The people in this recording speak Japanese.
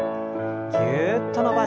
ぎゅっと伸ばして。